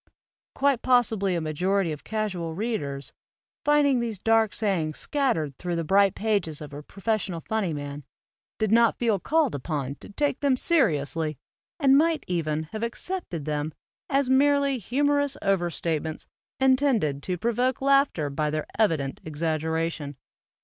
Quite possibly a majority of casual readers, finding these dark sayings scattered thru the bright pages of a professional funny man, did not feel called upon to take them seriously and might even have accepted them as merely humorous over statements intended to provoke laughter by their evident exaggeration.